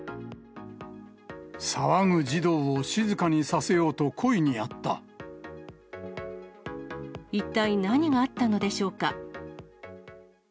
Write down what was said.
騒ぐ児童を静かにさせようと、一体何があったのでしょうか。